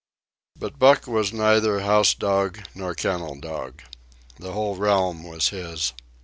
But Buck was neither house dog nor kennel dog. The whole realm was his.